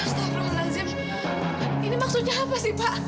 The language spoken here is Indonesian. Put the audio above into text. astaghfirullahaladzim ini maksudnya apa sih pak